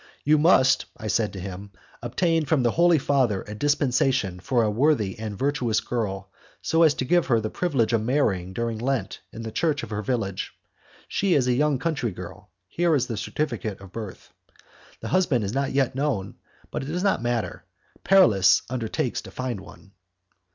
"You must," I said to him, "obtain from the Holy Father a dispensation for a worthy and virtuous girl, so as to give her the privilege of marrying during Lent in the church of her village; she is a young country girl. Here is her certificate of birth. The husband is not yet known; but it does not matter, Paralis undertakes to find one."